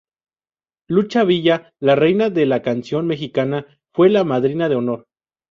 Lucha Villa, la Reina de la Canción Mexicana fue la madrina de honor.